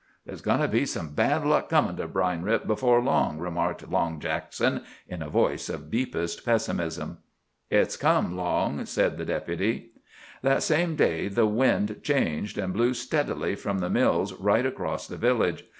"There's goin' to be some bad luck comin' to Brine's Rip afore long," remarked Long Jackson in a voice of deepest pessimism. "It's come, Long," said the Deputy. That same day the wind changed, and blew steadily from the mills right across the village.